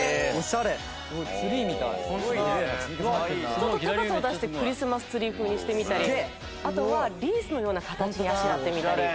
ちょっと高さを出してクリスマスツリー風にしてみたりあとはリースのような形にあしらってみたり。